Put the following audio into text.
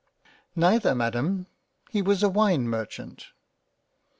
" Neither Madam ; he was a Wine Merchant."